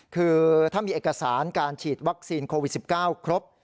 คือถ้ามีเอกสารการฉีดวัคซีนโควิด๑๙ครบ